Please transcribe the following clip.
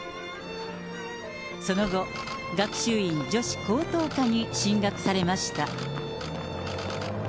その後、学習院女子高等科に進学されました。